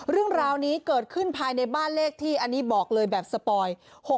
เรื่องราวนี้เกิดขึ้นภายในบ้านเลขที่อันนี้บอกเลยแบบสปอย